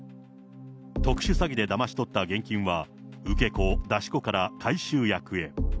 特殊詐欺でだまし取った現金は、受け子、出し子から回収役へ。